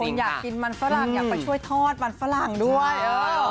จริงอยากกินมันฝรั่งอยากไปช่วยทอดมันฝรั่งด้วย